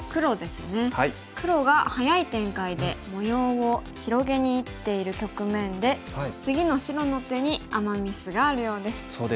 黒が早い展開で模様を広げにいっている局面で次の白の手にアマ・ミスがあるようです。